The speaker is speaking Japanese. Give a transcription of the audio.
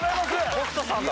北斗さんだ。